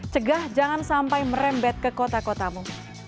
cegah jangan sampai merembet ke kota kotamu